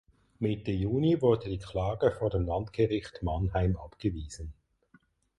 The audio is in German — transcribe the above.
Mitte Juni wurde die Klage vor dem Landgericht Mannheim abgewiesen.